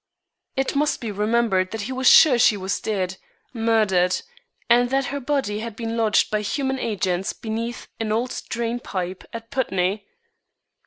It must be remembered that he was sure she was dead murdered, and that her body had been lodged by human agents beneath an old drain pipe at Putney.